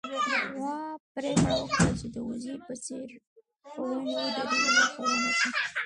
غوا پرېکړه وکړه چې د وزې په څېر په ونې ودرېږي، خو ونه شول